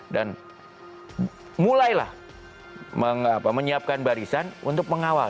dan mulailah menyiapkan barisan untuk mengawal